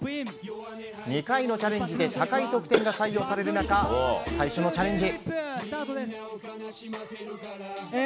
２回のチャレンジで高い得点が採用される中最初のチャレンジ。